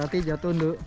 hati hati jatuh du